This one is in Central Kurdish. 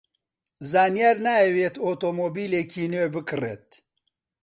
زانیار نایەوێت ئۆتۆمۆبیلێکی نوێ بکڕێت.